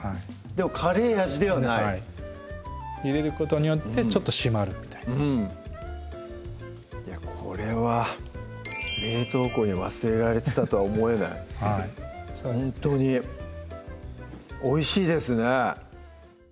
でもカレー味ではない入れることによってちょっと締まるみたいないやこれは冷凍庫に忘れられてたとは思えないほんとにおいしいですね